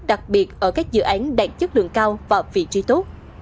đặc biệt ở các dự án đạt chất lượng cao và vị trí tốt